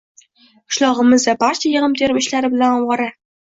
Qishlog`imizda barcha yig`im-terim ishlari bilan ovora